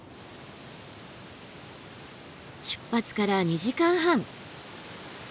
出発から２時間半。